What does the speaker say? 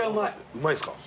うまいっすか？